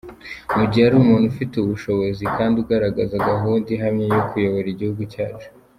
mu gihe ari umuntu ufite ubushobozi kandi ugaragaza gahunda ihamye yo kuyobora igihugu cyacu.